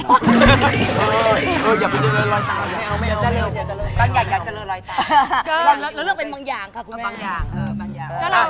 เราเลือกเป็นบางอย่างค่ะคุณแมนน่า